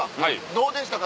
どうでしたか？